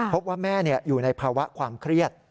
พบว่าแม่อยู่ในภาวะความเครียด